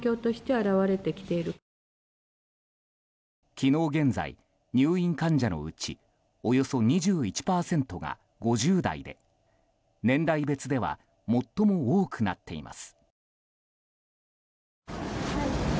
昨日現在入院患者のうちおよそ２１％が５０代で、年代別では最も多くなっています。